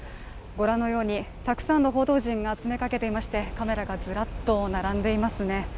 御覧のように、たくさんの報道陣が詰めかけていましてカメラがずらっと並んでいますね。